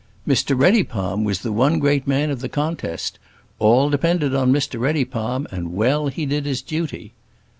Mr Reddypalm was the one great man of the contest. All depended on Mr Reddypalm; and well he did his duty.